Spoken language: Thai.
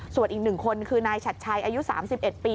ส่วนอีก๑คนคือนายฉัดชัยอายุ๓๑ปี